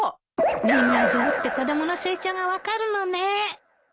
年賀状って子供の成長が分かるのね。